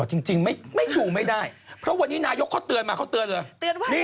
จริงไม่ดูไม่ได้เพราะวันนี้นายกเขาเตือนมาเขาเตือนเลย